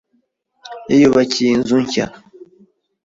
Yiyubakiye inzu nshya.